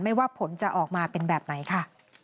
ว่าผลจะออกมาเป็นแบบไหนค่ะ